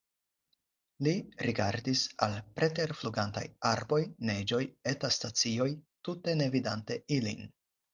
Li rigardis al preterflugantaj arboj, neĝoj, etaj stacioj, tute ne vidante ilin.